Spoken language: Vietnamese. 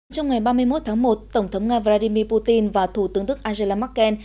trong ngày ba mươi một tháng một tổng thống nga vladimir putin và thủ tướng đức angela merkel